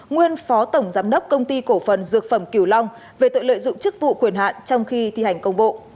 nguyên phó tổng giám đốc công ty cổ phần dược phẩm kiều long về tội lợi dụng chức vụ quyền hạn trong khi thi hành công vụ